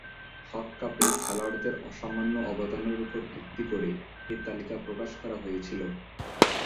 হক কাপে খেলোয়াড়দের অসামান্য অবদানের উপর ভিত্তি করে এ তালিকা প্রকাশ করা হয়েছিল।